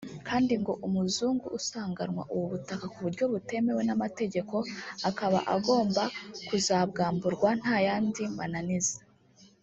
kandi ngo umuzungu usanganwa ubu butaka ku buryo butemewe n’amategeko akaba agomba kuzabwamburwa nta yandi mananiza